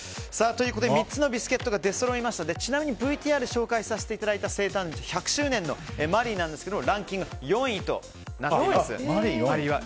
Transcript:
３つのビスケットが出そろいましたのでちなみにＶＴＲで紹介させていただいた生誕１００周年のマリーなんですがランキング４位となっています。